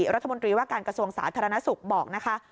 รัฐมนตรีว่าการกระทรวงสาธารณสุขบอกนะคะ